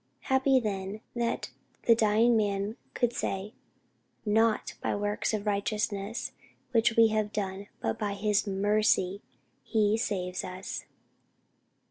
Happy then that the dying man could say, "NOT by works of righteousness which we have done but by his mercy he saves us!"